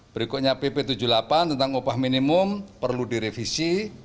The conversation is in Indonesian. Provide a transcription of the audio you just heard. berikutnya pp tujuh puluh delapan tentang upah minimum perlu direvisi